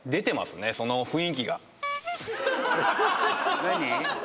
何？